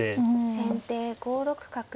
先手５六角。